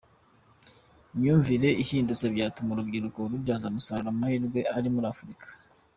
Imyumvire ihindutse byatuma urubyiruko rubyaza umusaruro amahirwe ari muri Afurika.